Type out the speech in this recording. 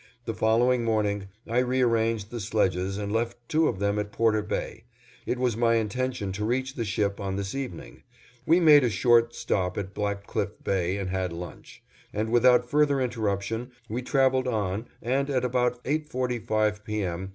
The following morning I rearranged the sledges and left two of them at Porter Bay. It was my intention to reach the ship on this evening. We made a short stop at Black Cliff Bay and had lunch, and without further interruption we traveled on and at about eight forty five P. M.